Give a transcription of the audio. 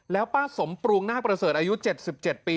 แล้วป้าสมปรุงนาคประเสริฐอายุ๗๗ปี